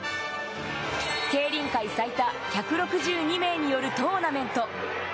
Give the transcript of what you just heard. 競輪界最多１６２名によるトーナメント。